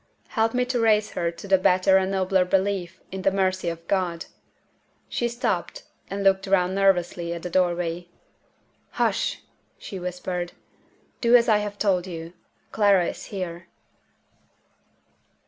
Help me to raise her to the better and nobler belief in the mercy of God!" She stopped, and looked round nervously at the doorway. "Hush!" she whispered. "Do as I have told you. Clara is here."